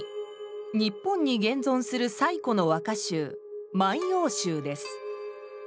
日本に現存する最古の和歌集「万葉集」です。